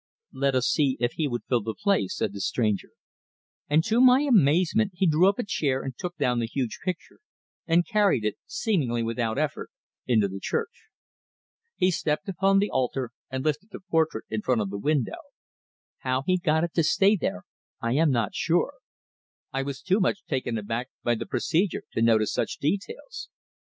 "Let us see if he would fill the place," said the stranger; and to my amazement he drew up a chair, and took down the huge picture, and carried it, seemingly without effort, into the church. He stepped upon the altar, and lifted the portrait in front of the window. How he got it to stay there I am not sure I was too much taken aback by the procedure to notice such details.